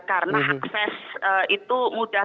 karena akses itu mudah